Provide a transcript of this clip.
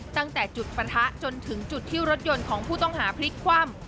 ตั้งแต่จุดปะทะจนถึงจุดที่รถยนต์ของผู้ต้องหาพลิกคว่ำ